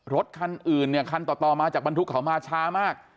รถคันอื่นเนี่ยคันต่อมาจากบรรทุกเขามาช้ามาก